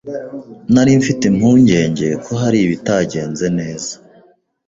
Nari mfite impungenge ko hari ibitagenze neza.